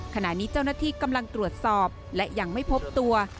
ขณะนี้เจ้าหน้าที่กำลังตรวจสอบและยังไม่พบตัว